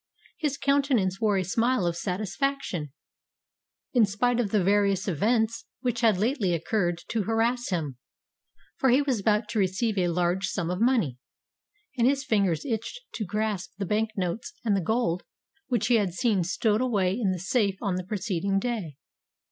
His countenance wore a smile of satisfaction, in spite of the various events which had lately occurred to harass him; for he was about to receive a large sum of money—and his fingers itched to grasp the bank notes and the gold which he had seen stowed away in the safe on the preceding day.